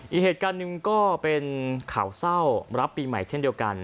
อีกเหตุการณ์หนึ่งก็เป็นข่าวเศร้ารับปีใหม่เช่นเดียวกัน